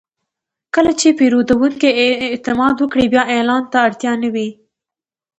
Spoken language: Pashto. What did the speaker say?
کله چې پیرودونکی اعتماد وکړي، بیا اعلان ته اړتیا نه وي.